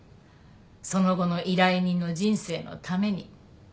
その後の依頼人の人生のために。